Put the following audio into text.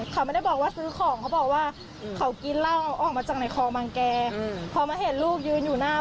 ทีนี้เขาบอกว่าเขาก็ได้พาไปเลย